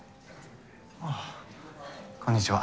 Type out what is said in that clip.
ああこんにちは。